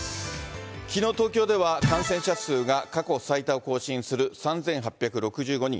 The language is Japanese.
きのう、東京では感染者数が過去最多を更新する３８６５人。